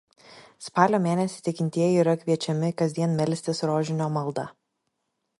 Spalio mėnesį tikintieji yra kviečiami kasdien melstis Rožinio maldą.